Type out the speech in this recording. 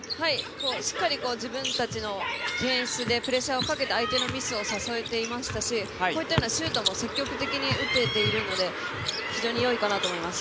しっかり、自分たちのディフェンスでプレッシャーをかけて相手のミスを誘えていましたしこういったシュートも積極的に打てているので非常によいかなと思います。